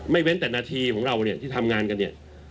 ไม่เว้นแต่นาทีของเราที่ทำงานกัน